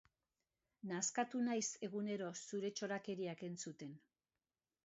Nazkatu naiz egunero zure txorakeriak entzuten.